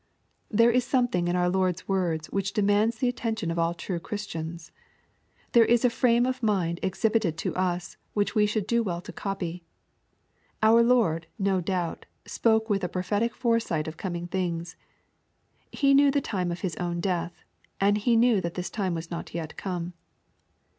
There is something in our Lord's words which demands the attention of all true Christians. There is a frame of mind exhibited to us which we should do well to copy. Our Lord, no doubt, spoke with a prophetic foresight of coming things. He knew the time of His own death, and He knew that this time was not yet come.